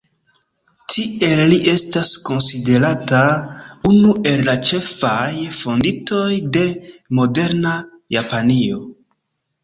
Tiele li estas konsiderata unu el la ĉefaj fondintoj de moderna Japanio.